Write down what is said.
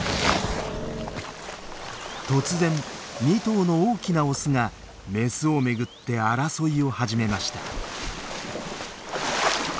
突然２頭の大きなオスがメスを巡って争いを始めました。